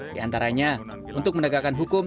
di antaranya untuk menegakkan hukum